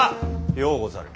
ようござる。